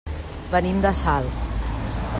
Venim de Salt.